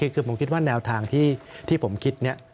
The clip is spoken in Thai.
คือผมคิดว่าแนวทางที่ผมคิดเนี่ย